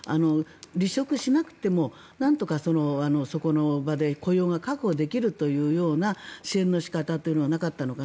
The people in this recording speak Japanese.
離職しなくてもなんとかそこの場で雇用が確保できるという支援の仕方というのはなかったのか。